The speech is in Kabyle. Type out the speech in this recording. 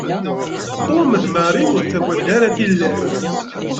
Tom d Mary ur ttaggaden ara tillas.